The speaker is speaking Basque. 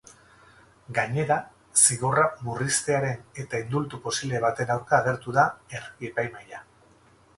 Gainera, zigorra murriztearen edo indultu posible baten aurka agertu da herri-epaimahaia.